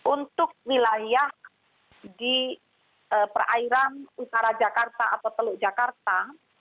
untuk wilayah di perairan utara jakarta atau teluk jakarta